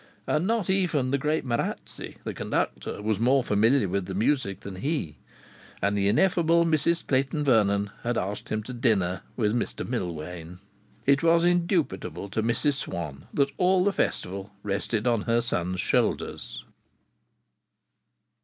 And not even the great Merazzi, the conductor, was more familiar with the music than he. And the ineffable Mrs Clayton Vernon had asked him to dinner with Mr Millwain! It was indubitable to Mrs Swann that all the Festival rested on her son's shoulders.